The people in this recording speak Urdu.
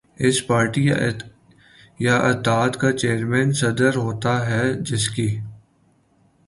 اس پارٹی یا اتحاد کا چیئرمین یا صدر ہوتا ہے جس کی